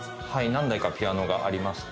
何台かピアノがありまして。